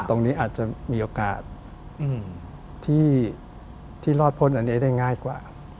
ตรงนี้อาจจะมีโอกาสที่รอดพ้นอันนี้ได้ง่ายกว่า